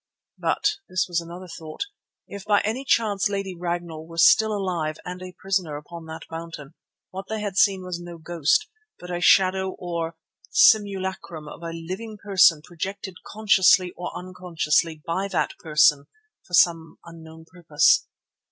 But—this was another thought—if by any chance Lady Ragnall were still alive and a prisoner upon that mountain, what they had seen was no ghost, but a shadow or simulacrum of a living person projected consciously or unconsciously by that person for some unknown purpose.